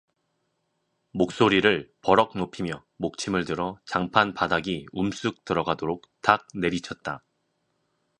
목소리를 버럭 높이며 목침을 들어 장판 바닥이 움쑥 들어가도록 탁 내리쳤다.